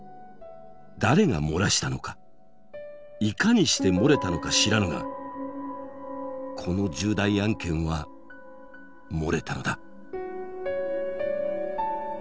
誰が漏らしたのかいかにして漏れたのか知らぬがこの重大案件は漏れたのだ。